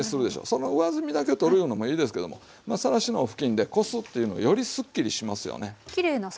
その上澄みだけをとるいうのもいいですけどもさらしの布巾でこすというのはよりスッキリしますよね。